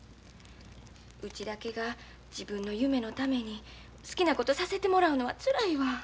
うちだけが自分の夢のために好きなことさせてもらうのはつらいわ。